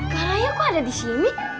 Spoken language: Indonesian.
karya kok ada di sini